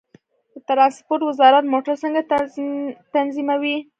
د ترانسپورت وزارت موټر څنګه تنظیموي؟